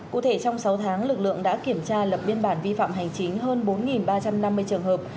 cụ thể trong sáu tháng lực lượng đã kiểm tra lập biên bản vi phạm hành chính hơn bốn ba trăm năm mươi trường hợp